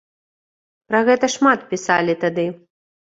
Пра гэта шмат пісалі тады.